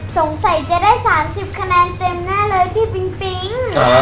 สงสัยจะได้๓๐คะแนนเต็มแน่เลยพี่ปิ๊งปิ๊ง